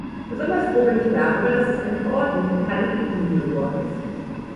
Besonders froh bin ich darüber, dass es eine Verordnung und keine Richtlinie geworden ist.